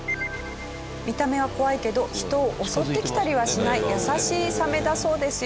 見た目は怖いけど人を襲ってきたりはしない優しいサメだそうですよ